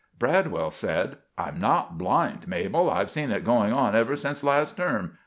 Bradwell said: "I'm not blind, Mabel, I've seen it going on ever since last term.